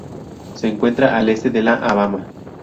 Se encuentra al este de La Habana.